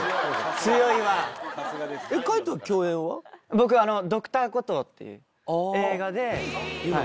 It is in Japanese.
僕『Ｄｒ．コトー』っていう映画で。